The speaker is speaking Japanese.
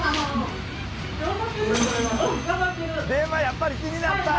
やっぱり気になった。